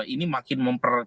ini makin memperdamping